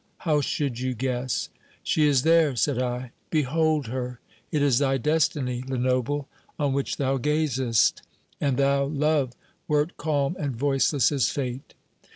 How should you guess? 'She is there,' said I; 'behold her! It is thy destiny, Lenoble, on which thou gazest!' And thou, love, wert calm and voiceless as Fate.